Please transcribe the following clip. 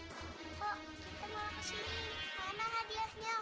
kok kita malah kesini mana hadiahnya